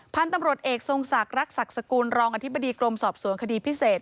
พันธุ์ตำรวจเอกทรงศักดิ์รักศักดิ์สกุลรองอธิบดีกรมสอบสวนคดีพิเศษ